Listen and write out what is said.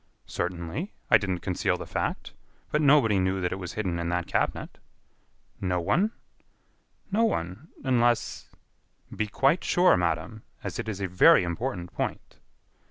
"Certainly; I didn't conceal the fact. But nobody knew that it was hidden in that cabinet." "No one?" "No one.... unless...." "Be quite sure, madam, as it is a very important point."